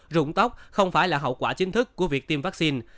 rụng tóc không phải là hậu quả chính thức của việc tiêm vaccine